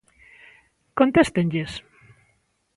Contéstenlles.